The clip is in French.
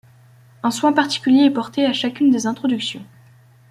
Un soin particulier est porté à chacune des introductions.